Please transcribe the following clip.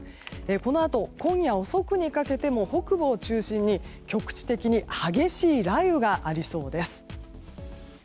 このあと、今夜遅くにかけても北部を中心に局地的に激しい雷雨がありそうです。